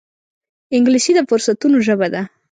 انګلیسي د فرصتونو ژبه ده